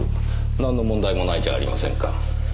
なんの問題もないじゃありませんか。